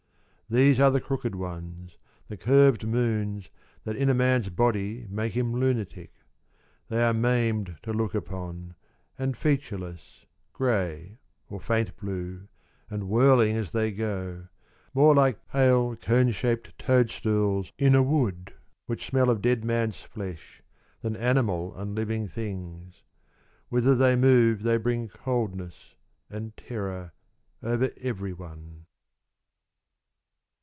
These are the crooked ones, the curved moons That in a man's body make him lunatic. They are maimed to look upon, and featureless, Grey, or faint blue, and whirling as they go, More like pale cone shaped toadstools in a wood Which smell of dead man's flesh, than animal And living things : whither they move they bring Coldness and terror over everyone.